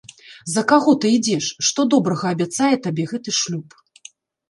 За каго ты ідзеш, што добрага абяцае табе гэты шлюб?